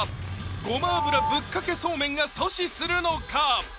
ごま油ぶっかけそうめんが阻止するのか？